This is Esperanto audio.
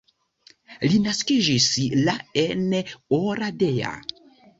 Li naskiĝis la en Oradea.